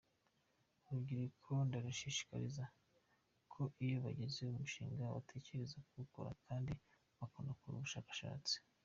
Urubyiruko ndarushishikariza ko iyo bagize umushinga batekereza bawukora kandi bakanakora ubushakashatsi.